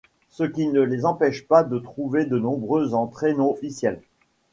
Ce qui ne les empêche pas de trouver de nombreuses entrées non officielles.